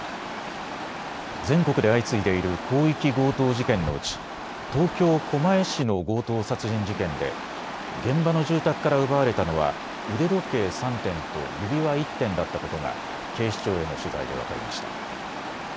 全国で相次いでいる広域強盗事件のうち東京狛江市の強盗殺人事件で現場の住宅から奪われたのは腕時計３点と指輪１点だったことが警視庁への取材で分かりました。